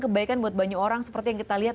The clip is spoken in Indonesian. kebaikan buat banyak orang seperti yang kita lihat